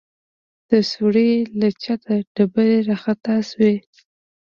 د سوړې له چته ډبرې راخطا سوې.